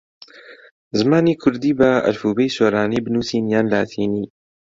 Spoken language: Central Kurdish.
زمانی کوردی بە ئەلفوبێی سۆرانی بنووسین یان لاتینی؟